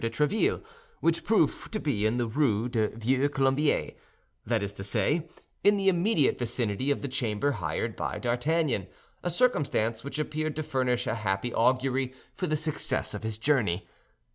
de Tréville, which proved to be in the Rue du Vieux Colombier; that is to say, in the immediate vicinity of the chamber hired by D'Artagnan—a circumstance which appeared to furnish a happy augury for the success of his journey.